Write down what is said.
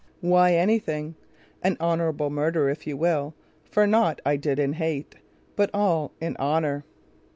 "Why, anything; An honorable murderer, if you will; For naught I did in hate, but all in honor."